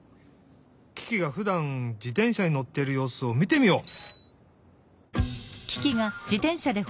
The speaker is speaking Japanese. キキがふだん自転車にのってるようすをみてみよう！